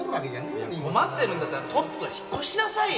いや困ってるんだったらとっとと引っ越しなさいよ。